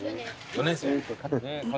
４年生。